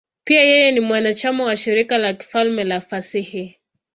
Pia yeye ni mwanachama wa Shirika la Kifalme la Fasihi.